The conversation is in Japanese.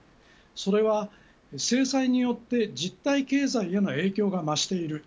それは制裁によって実体経済への影響が増している。